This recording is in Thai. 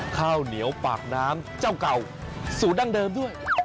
ข้าวเหนียวปากน้ำเจ้าเก่าสูตรดั้งเดิมด้วย